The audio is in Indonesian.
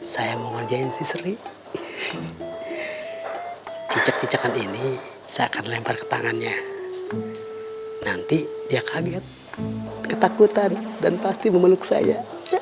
saya mau ngerjain si seri cicak cicakan ini saya akan lempar ke tangannya nanti dia kaget ketakutan dan pasti memeluk saya